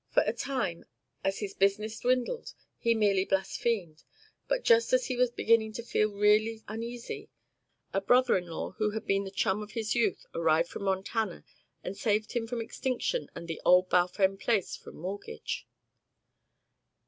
For a time, as his business dwindled, he merely blasphemed, but just as he was beginning to feel really uneasy, a brother in law who had been the chum of his youth arrived from Montana and saved him from extinction and "the old Balfame place" from mortgage.